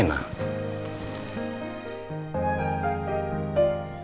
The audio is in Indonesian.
iya kamu buat rena